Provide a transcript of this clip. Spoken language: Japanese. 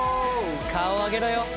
顔上げろよ。